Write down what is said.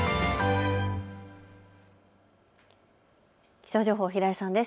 気象情報、平井さんです。